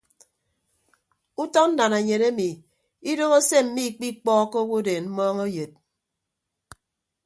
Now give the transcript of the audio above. Utọ nnananyen emi idoho se mmikpikpọọkọ owodeen mmọọñ eyod.